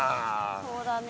そうだね。